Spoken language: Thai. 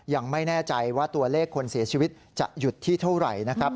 ยังไม่แน่ใจว่าตัวเลขคนเสียชีวิตจะหยุดที่เท่าไหร่นะครับ